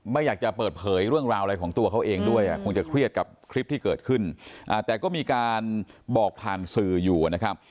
บ้านบอกผ่านสื่ออยู่นะครับ